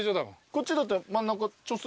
こっちだって真ん中貯水。